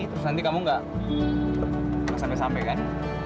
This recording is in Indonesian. terus nanti kamu nggak sampai sampai kan